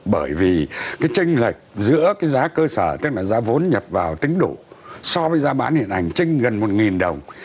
bởi vì cái tranh lệch giữa cái giá cơ sở tức là giá vốn nhập vào tính đủ so với giá bán hiện hành trình gần một đồng